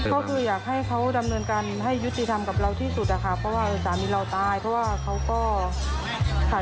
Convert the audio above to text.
ก็คืออยากให้เขาดำเนินการให้ยุติธรรมกับเราที่สุดนะคะเพราะว่าสามีเราตายเพราะว่าเขาก็ขาด